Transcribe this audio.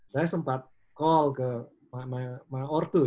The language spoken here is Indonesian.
saya sudah berbicara ke ortu ya